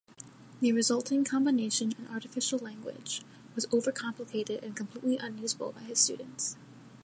The resulting combination, an artificial language, was over-complicated and completely unusable by his students.